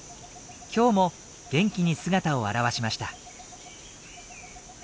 今日も元気に姿を現しました。